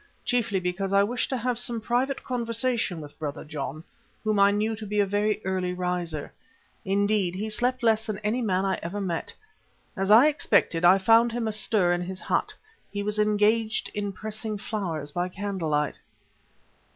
Chiefly because I wished to have some private conversation with Brother John, whom I knew to be a very early riser. Indeed, he slept less than any man I ever met. As I expected, I found him astir in his hut; he was engaged in pressing flowers by candlelight.